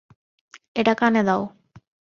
এটা কানে দাও।